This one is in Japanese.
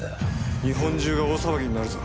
日本中が大騒ぎになるぞ。